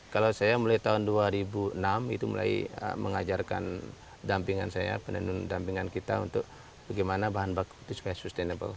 kalau saya mulai tahun dua ribu enam itu mulai mengajarkan dampingan saya penenun dampingan kita untuk bagaimana bahan baku itu supaya sustainable